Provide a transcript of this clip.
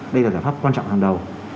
đây là giải pháp quan trọng hàng đầu